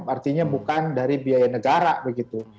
artinya bukan dari biaya negara begitu